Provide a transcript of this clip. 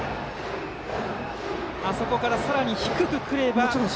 あそこからさらに低くくれば。